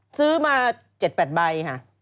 ซื้อมา๗๘ใบค่ะ